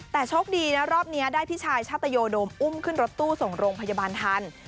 แต่โชคดีนะรอบนี้ได้พี่ชายชาตยโดมอุ้มขึ้นรถตู้ส่งโรงพยาบาลทัน